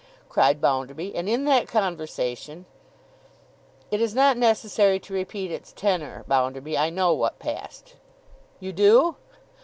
cried Bounderby. 'And in that conversation—' 'It is not necessary to repeat its tenor, Bounderby. I know what passed.' 'You do?